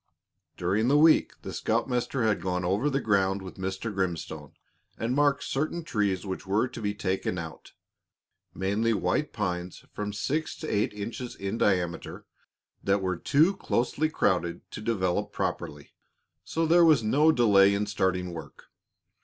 During the week the scoutmaster had gone over the ground with Mr. Grimstone and marked certain trees which were to be taken out, mainly white pines from six to eight inches in diameter that were too closely crowded to develop properly, so there was no delay in starting work.